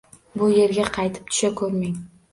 Bu yerga qaytib tusha ko‘rmang.